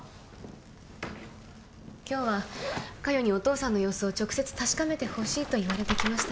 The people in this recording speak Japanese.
今日は加代にお父さんの様子を直接確かめてほしいと言われて来ました